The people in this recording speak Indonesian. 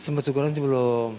sempat syukuran sebelum